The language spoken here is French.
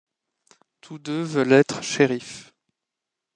Tous deux veulent être shérif.